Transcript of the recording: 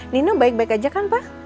nino baik baik aja kan pa